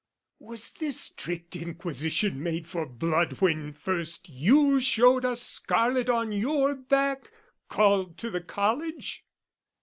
Was this strict inquisition made for blood When first you showed us scarlet on your back, Called to the College?